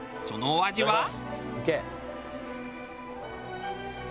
そのお味は。